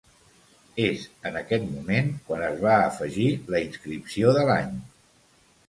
És en aquest moment quan es va afegir la inscripció de l'any.